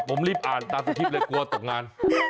ผมรีบอ่านตามสคริปต์เลยกลัวตกงาน